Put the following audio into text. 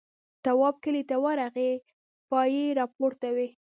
تواب کلي ته ورغی پایې راپورته وې.